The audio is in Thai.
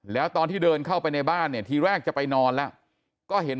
แล้วตอนที่เดินเข้าไปในบ้านเนี่ยทีแรกจะไปนอนแล้วก็เห็น